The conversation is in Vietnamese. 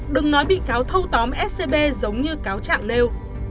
đừng nói bị cáo thâu tóm scb giống như cáo trạng nêu